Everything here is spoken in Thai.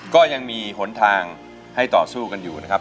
ก็ยังมีหนทางให้ต่อสู้กันอยู่นะครับ